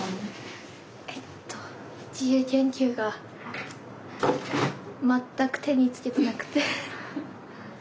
えっと自由研究が全く手につけてなくて。